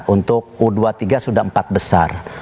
untuk u dua puluh tiga sudah empat besar